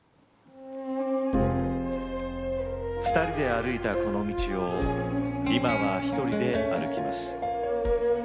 ２人で歩いたこの道を今は１人で歩きます。